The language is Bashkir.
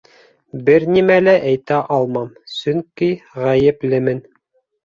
— Бер нимә лә әйтә алмам, сөнки ғәйеплемен.